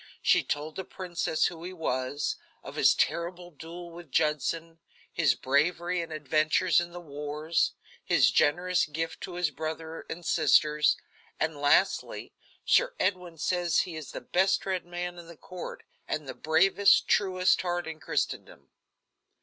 She told the princess who he was; of his terrible duel with Judson; his bravery and adventures in the wars; his generous gift to his brother and sisters, and lastly, "Sir Edwin says he is the best read man in the court, and the bravest, truest heart in Christendom."